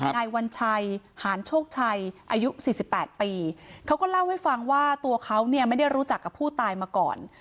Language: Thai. นายวัญชัยหานโชคชัยอายุ๔๘ปีเขาก็เล่าให้ฟังว่าตัวเขาเนี่ยไม่ได้รู้จักกับผู้ตายมาก่อน